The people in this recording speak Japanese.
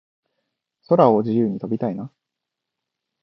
空を自由に飛びたいな